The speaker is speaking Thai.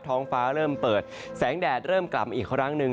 ท้องฟ้าเริ่มเปิดแสงแดดเริ่มกลับมาอีกครั้งหนึ่ง